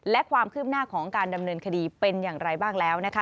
และความคืบหน้าของการดำเนินคดีเป็นอย่างไรบ้างแล้วนะคะ